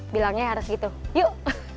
bilangnya harus gitu yuk